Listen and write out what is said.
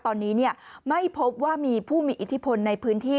ตอนนี้ไม่พบว่ามีผู้มีอิทธิพลในพื้นที่